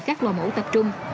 các lò mẫu tập trung